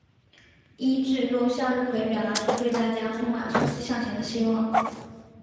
伊秩用向日葵表达出对大家充满生机向前的希望。